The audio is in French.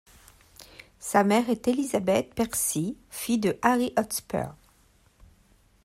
Sa mère est Elizabeth Percy, fille de Harry Hotspur.